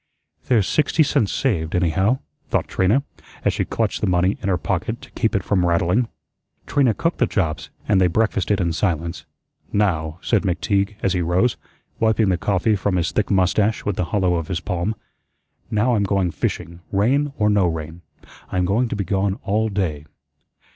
"There's sixty cents saved, anyhow," thought Trina, as she clutched the money in her pocket to keep it from rattling. Trina cooked the chops, and they breakfasted in silence. "Now," said McTeague as he rose, wiping the coffee from his thick mustache with the hollow of his palm, "now I'm going fishing, rain or no rain. I'm going to be gone all day."